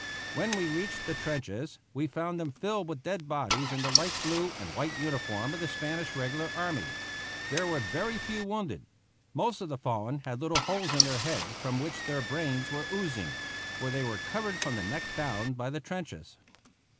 When we reached the trenches we found them filled with dead bodies in the light blue and white uniform of the Spanish regular army. There were very few wounded. Most of the fallen had little holes in their heads from which their brains were oozing; for they were covered from the neck down by the trenches.